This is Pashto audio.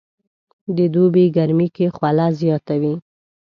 د دوبي ګرمي کې خوله زياته وي